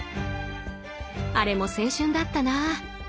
あれも青春だったな。